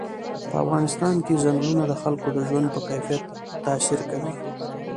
په افغانستان کې چنګلونه د خلکو د ژوند په کیفیت تاثیر کوي.